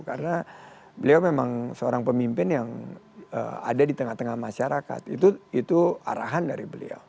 karena beliau memang seorang pemimpin yang ada di tengah tengah masyarakat itu arahan dari beliau